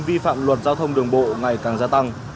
vi phạm luật giao thông đường bộ ngày càng gia tăng